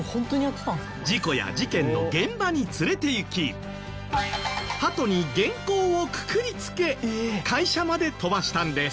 事故や事件の現場に連れていき鳩に原稿をくくり付け会社まで飛ばしたんです。